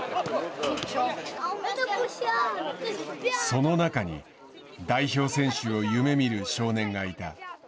その中に代表選手を夢見る少年がいた。